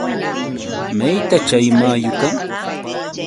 ¿mayta chay mayuqa?